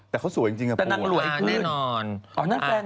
แต่เขาสวยจริงกับปูแต่นั่งหลวยขึ้นอ๋อนั่นแฟนนาน